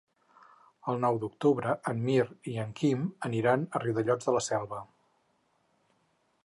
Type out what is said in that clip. El nou d'octubre en Mirt i en Quim aniran a Riudellots de la Selva.